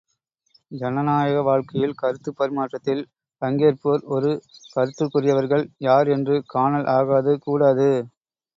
ஜனநாயக வாழ்க்கையில் கருத்துப் பரிமாற்றத்தில் பங்கேற்போர் ஒரு கருத்துக்குரியவர்கள் யார் என்று காணல் ஆகாது, கூடாது.